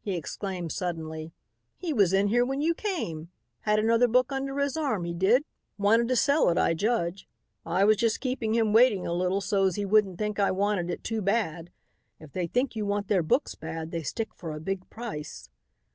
he exclaimed suddenly, "he was in here when you came. Had another book under his arm, he did; wanted to sell it, I judge. I was just keeping him waiting a little so's he wouldn't think I wanted it too bad. If they think you want their books bad they stick for a big price."